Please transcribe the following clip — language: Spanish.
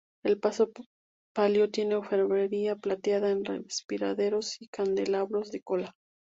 El paso palio tiene orfebrería plateada en respiraderos y candelabros de cola.